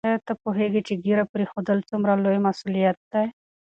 آیا ته پوهېږې چې ږیره پرېښودل څومره لوی مسؤلیت دی؟